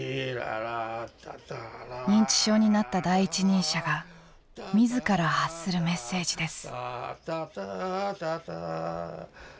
認知症になった第一人者が自ら発するメッセージです。